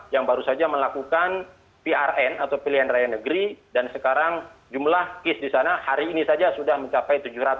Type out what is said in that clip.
yang baru saja melakukan prn atau pilihan raya negeri dan sekarang jumlah kis di sana hari ini saja sudah mencapai tujuh ratus